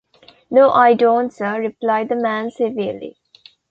‘No, I don’t, Sir,’ replied the man civilly.